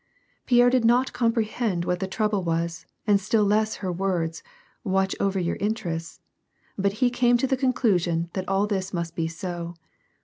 Pierre did not comprehend what the trouble was and still less her words :" watch over your interests," t but he came to the conclusion that all this must be so.